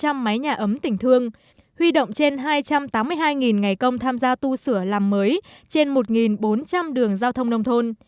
năm trăm linh máy nhà ấm tỉnh thương huy động trên hai trăm tám mươi hai ngày công tham gia tu sửa làm mới trên một bốn trăm linh đường giao thông nông thôn